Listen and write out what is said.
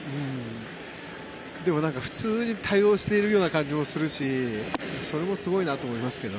でも、普通に対応してるような感じもするしそれもすごいなと思いますけど。